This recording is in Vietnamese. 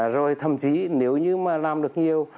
rồi thậm chí nếu như mà làm được nhiều